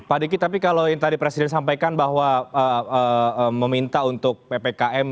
pak diki tapi kalau yang tadi presiden sampaikan bahwa meminta untuk ppkm